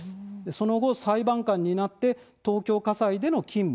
その後、裁判官になって東京家裁での勤務